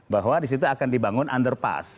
bahwa disitu akan dibangun underpass